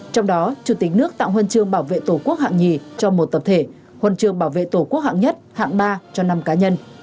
trong đó chủ tịch nước tặng huân chương bảo vệ tổ quốc hạng hai cho một tập thể huần trường bảo vệ tổ quốc hạng nhất hạng ba cho năm cá nhân